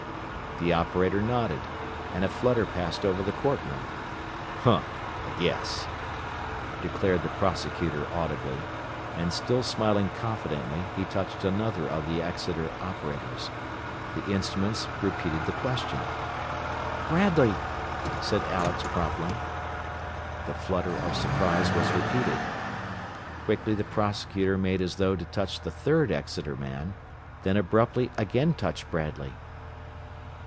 The operator nodded, and a flutter passed over the court room. "Huh! A guess," declared the prosecutor audibly, and still smiling confidently, he touched another of the Exeter operators. The instruments repeated the question. "Bradley," said Alex promptly. The flutter of surprise was repeated. Quickly the prosecutor made as though to touch the third Exeter man, then abruptly again touched Bradley.